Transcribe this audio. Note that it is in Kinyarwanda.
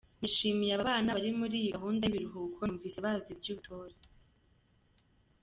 Nishimiye aba bana bari muri iyi gahunda y’ibiruhuko , numvise bazi iby’ubutore.